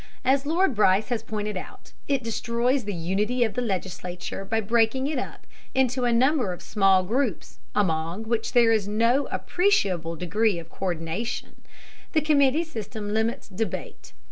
As Lord Bryce has pointed out, it destroys the unity of the legislature by breaking it up into a number of small groups among which there is no appreciable degree of co÷rdination. The committee system limits debate.